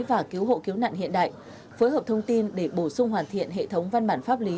và cứu hộ cứu nạn hiện đại phối hợp thông tin để bổ sung hoàn thiện hệ thống văn bản pháp lý